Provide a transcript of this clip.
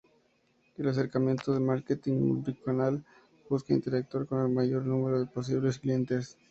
El acercamiento del marketing multicanal busca interactuar con el mayor número de posibles clientes.